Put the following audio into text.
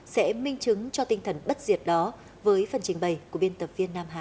sẽ minh chứng cho tinh thần bất diệt đó với phần trình bày của biên tập viên nam hà